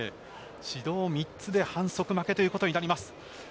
指導３つで反則負けということになります。